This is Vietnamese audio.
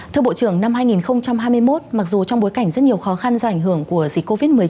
thưa bộ trưởng năm hai nghìn hai mươi một mặc dù trong bối cảnh rất nhiều khó khăn do ảnh hưởng của dịch covid một mươi chín